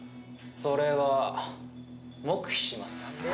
それは黙秘します。